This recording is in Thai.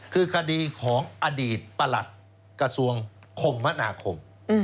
คือคดีของอดีตประหลัดกระทรวงคมมนาคม